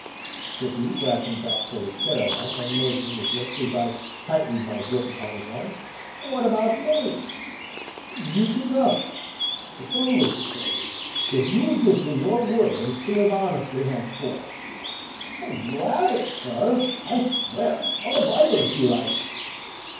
said he, glancing back toward his caravan, and moistening his lips as I tightened my grip upon his arm, "what about me?" "You can go for Lewis's sake if you will give me your word to live honestly henceforth." "You have it, sir I swear it on the Bible if you like."